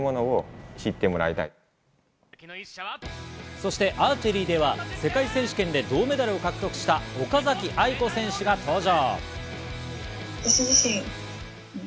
そしてアーチェリーでは世界選手権で銅メダルを獲得した岡崎愛子選手が登場。